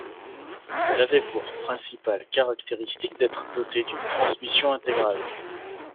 Elle avait pour principale caractéristique d'être dotée d'une Transmission intégrale.